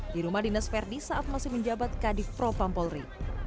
di rumah dinas ferdi saat masih menjabat kadif propam polri